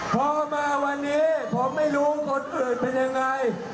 พอมาวันนี้ผมไม่รู้คนอื่นเป็นยังไง